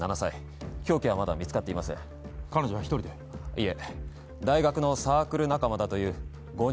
いえ。